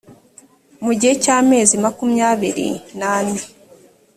mu gihe cy amezi makumyabiri n ane